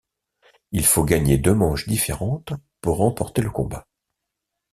Il faut gagner deux manches différentes pour remporter le combat.